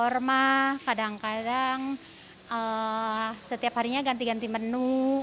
ormah kadang kadang setiap harinya ganti ganti menu